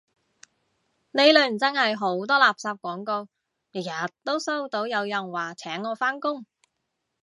呢輪真係好多垃圾廣告，日日都收到有人話請我返工